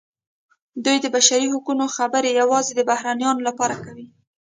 دوی د بشري حقونو خبرې یوازې د بهرنیانو لپاره کوي.